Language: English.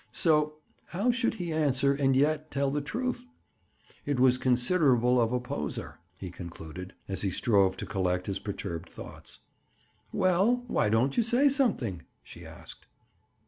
So, how should he answer and yet tell the truth? It was considerable of a "poser," he concluded, as he strove to collect his perturbed thoughts. "Well, why don't you say something?" she asked.